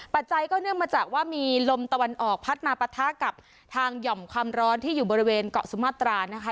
จัยก็เนื่องมาจากว่ามีลมตะวันออกพัดมาปะทะกับทางหย่อมความร้อนที่อยู่บริเวณเกาะสุมาตรานะคะ